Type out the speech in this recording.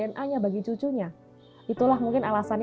kenapa kamu yang tidak makan